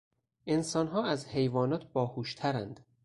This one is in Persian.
انسانها از حیوانات باهوشترند.